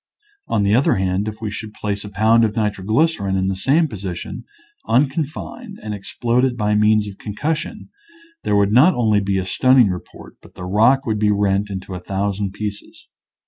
On the other hand, if we should place a pound of nitroglycerin in the same position unconfined and explode it by means of concussion, there would not only be a stunning report, but the rock would be rent into a thousand pieces.